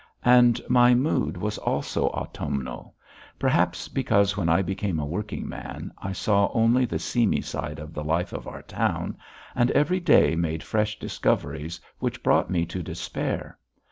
And my mood was also autumnal; perhaps because when I became a working man I saw only the seamy side of the life of our town, and every day made fresh discoveries which brought me to despair.